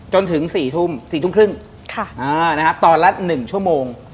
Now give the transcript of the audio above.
จนถึง๔ทุ่ม๔ทุ่มครึ่งตอนละ๑ชั่วโมง